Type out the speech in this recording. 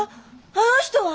あの人は？